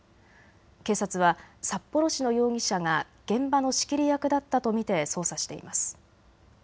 警察は札幌市の容疑者が現場の仕切り役だったと見て捜査しています。